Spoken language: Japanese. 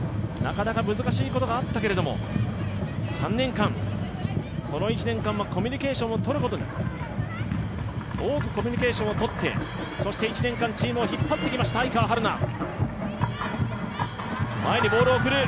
なかなか難しいことがあったけれど、３年間、この１年間はコミュニケーションをとることで多くコミュニケーションをとって、そして１年間チームを引っ張ってきました愛川陽菜。